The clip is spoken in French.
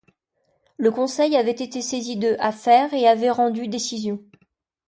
Le Conseil avait été saisi de affaires, et avait rendu décisions.